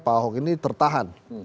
ahok ini tertahan